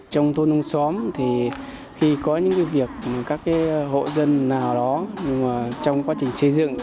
trong thôn nông xóm thì khi có những việc các hộ dân nào đó trong quá trình xây dựng